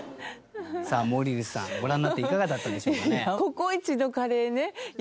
さあ森口さんご覧になっていかがだったでしょうかね？